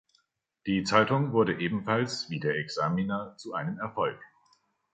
Die Zeitung wurde ebenfalls wie der "Examiner" zu einem Erfolg.